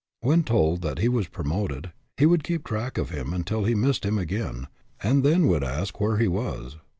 When told that he was promoted, he would keep track of him until he missed him again, and then would ask where he was.